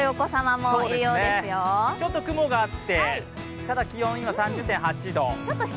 ちょっと雲があってただ気温、今、３０．８度。